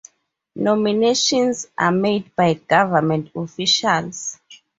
Nominations are made by government officials.